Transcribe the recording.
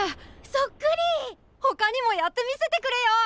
そっくり！ほかにもやってみせてくれよ！